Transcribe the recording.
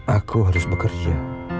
aku harus bekerja